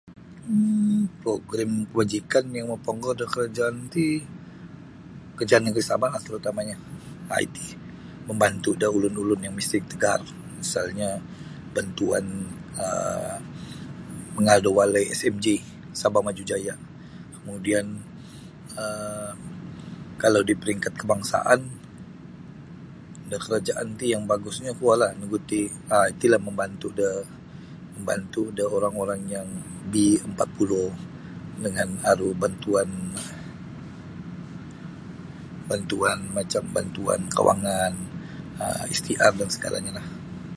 um Program kebajikan yang mapoponggor da karajaan ti karajaan negeri Sabah lah terutamanya um iti mambantu da ulun-ulun yang miskin tegar misalnya bantuan um mangaal da walai SMJ Sabah maju jaya kemudian um kalau diperingkat kebangsaan da karajaan ti yang bagusnyo kuo la nu gu ti iti lah mambantu da mambantu da orang-orang yang B empat puluh dengan aru bantuan bantuan macam bantuan kawangan um STR dan segalahnya lah.